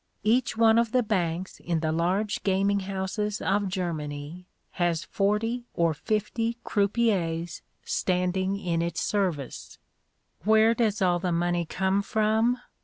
Each one of the banks in the large gaming houses of Germany has forty or fifty croupiers standing in its service. Where does all the money come from?